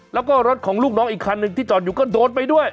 แล้วก็รถของลูกน้องอีกคันหนึ่งที่จอดอยู่ก็โดนไปด้วย